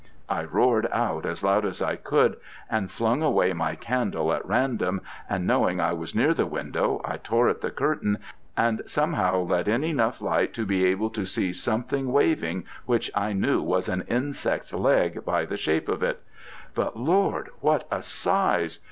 I roared out as loud as I could, and flung away my candle at random, and, knowing I was near the window, I tore at the curtain and somehow let in enough light to be able to see something waving which I knew was an insect's leg, by the shape of it: but, Lord, what a size!